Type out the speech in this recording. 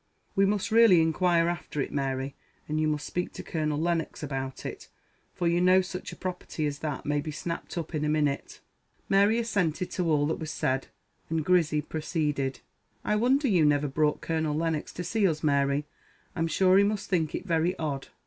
We must really inquire after it, Mary, and you must speak to Colonel Lennox about it, for you know such a property as that may be snapped up in a minute." Mary assented to all that was said; and Grizzy proceeded "I wonder you never brought Colonel Lennox to see us, Mary. I'm sure he must think it very odd.